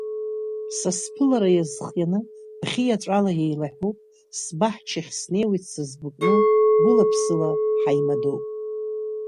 Са сԥылара иазхианы, бӷьы иаҵәала еилаҳәоуп, сбаҳчахь снеиуеит сазгәыкны, гәыла-ԥсыла ҳаимадоуп.